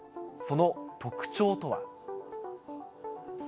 その特徴とは。